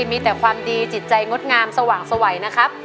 มีแต่ความดีจิตใจงดงามสว่างสวัยนะครับ